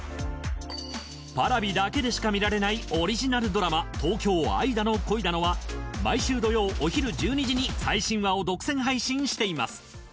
Ｐａｒａｖｉだけでしか見られないオリジナルドラマ『東京、愛だの、恋だの』は毎週土曜お昼１２時に最新話を独占配信しています。